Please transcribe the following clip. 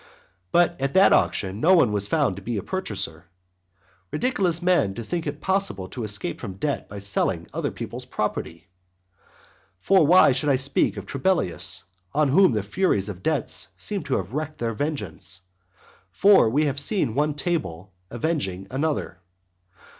But at that auction no one was found to be a purchaser. Ridiculous man to think it possible to escape from debt by selling other people's property! For why should I speak of Trebellius? on whom the furies of debts seem to have wrecked their vengeance, for we have seen one table avenging another.